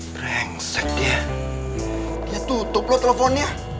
brengsek ya dia tutup loh teleponnya